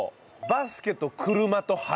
「バスケと車と花」。